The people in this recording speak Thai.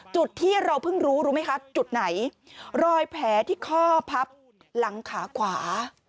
จุดที่เราเพิ่งรู้รู้ไหมคะจุดไหนรอยแผลที่ข้อพับหลังขาขวา